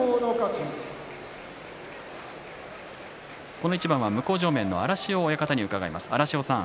この一番は向正面の荒汐親方に伺います。